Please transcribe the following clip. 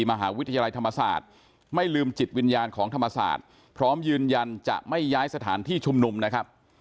มหาวิทยาลัยธรรมศาสตร์ไม่ลืมจิตวิญญาณของธรรมศาสตร์พร้อมยืนยันจะไม่ย้ายสถานที่ชุมนุมนะครับ